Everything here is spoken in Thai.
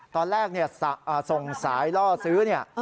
ตอนแรกส่งสายล่อซื้อ